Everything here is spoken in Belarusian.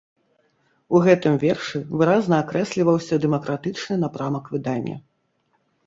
У гэтым вершы выразна акрэсліваўся дэмакратычны напрамак выдання.